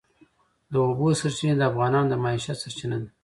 د اوبو سرچینې د افغانانو د معیشت سرچینه ده.